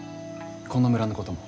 この村のことも。